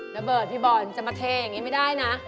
ระเบิดพี่บอลจะมาเทอย่างนี้ไม่ได้นะ